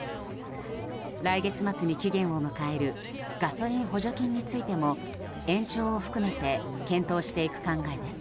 来月末に期限を迎えるガソリン補助金についても延長を含めて検討していく考えです。